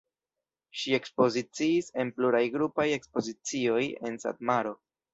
Ŝi ekspoziciis en pluraj grupaj ekspozicioj en Satmaro.